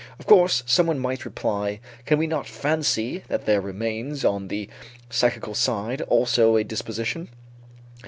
Of course, someone might reply: can we not fancy that there remains on the psychical side also a disposition?